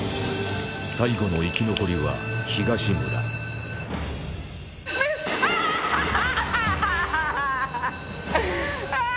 最後の生き残りは東村あぁ！